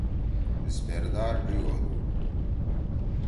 اسپیردار ڙیِک ہودُو۔